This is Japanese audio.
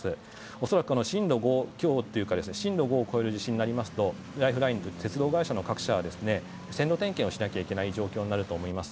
恐らく震度５を超える地震になりますとライフラインの鉄道会社の各社は線路点検をしなきゃいけない状況になると思います。